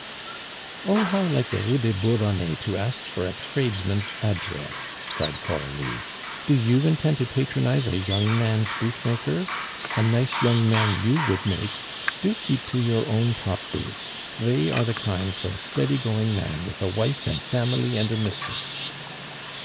"Oh, how like the Rue des Bourdonnais to ask for a tradesman's address," cried Coralie. "Do you intend to patronize a young man's bootmaker? A nice young man you would make! Do keep to your own top boots; they are the kind for a steady going man with a wife and family and a mistress."